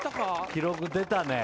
・記録出たね。